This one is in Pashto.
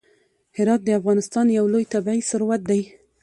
هرات د افغانستان یو لوی طبعي ثروت دی.